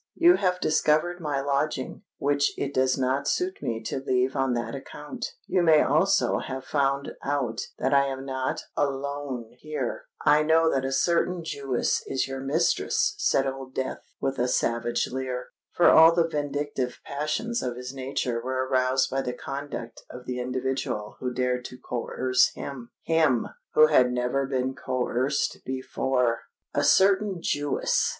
You have discovered my lodging, which it does not suit me to leave on that account:—you may also have found out that I am not alone here——" "I know that a certain Jewess is your mistress," said Old Death, with a savage leer—for all the vindictive passions of his nature were aroused by the conduct of the individual who dared to coerce him—him, who had never been coerced before! "A certain Jewess!"